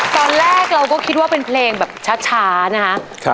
ตอนแรกเราก็คิดว่าเป็นเพลงแบบช้านะคะ